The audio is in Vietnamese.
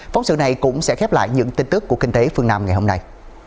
phóng sự này cũng sẽ khép lại những tin tức của kinh tế phương nam ngày hôm nay